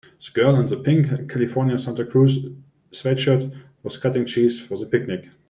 The girl in the pink California Santa Cruz sweatshirt was cutting cheese for the picnic.